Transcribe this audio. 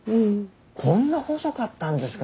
こんな細かったんですか？